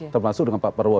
termasuk dengan pak prabowo